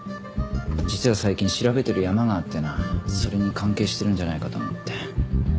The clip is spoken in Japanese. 実は最近調べてるヤマがあってなそれに関係してるんじゃないかと思って。